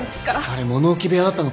あれ物置部屋だったのかよ。